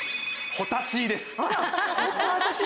ホタチーです。